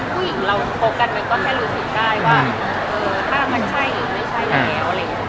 พี่ก่อนเราตัวกันก็แค่รู้สึกได้ว่าถ้ามันใช่ไม่ใช่ยาแนล